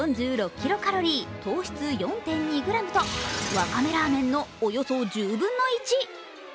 キロカロリー糖質４．２ｇとわかめラーメンのおよそ１０分の１。